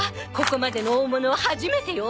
ここまでの大物は初めてよ。